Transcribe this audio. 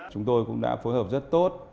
chúng tôi cũng đã phối hợp rất tốt